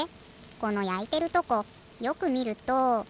このやいてるとこよくみると。